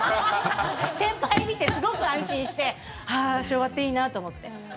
先輩見て、すごく安心してああ、昭和っていいなと思って。